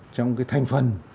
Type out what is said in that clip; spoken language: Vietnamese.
trong cái thành phần